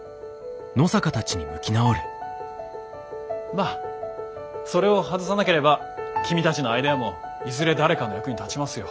まあそれを外さなければ君たちのアイデアもいずれ誰かの役に立ちますよ。